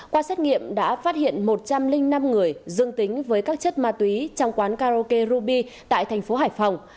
qua xét nghiệm đã phát hiện một trăm linh năm người dương tính với các chất ma túy trong quán karaoke ruby tại thành phố hải phòng